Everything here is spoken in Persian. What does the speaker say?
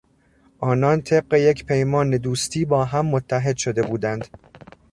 آنان طبق یک پیمان دوستی با هم متحد شده بودند.